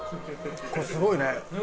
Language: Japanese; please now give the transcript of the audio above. これすごいね！